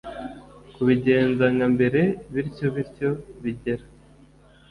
kubigenza nka mbere bityo bityo bigera